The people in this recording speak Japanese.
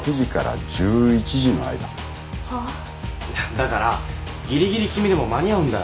だからぎりぎり君でも間に合うんだよ。